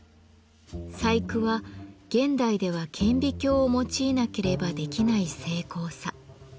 細工は現代では顕微鏡を用いなければできない精巧さ。